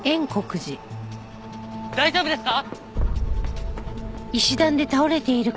大丈夫ですか？